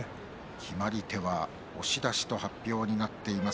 決まり手は押し出しと発表になっています。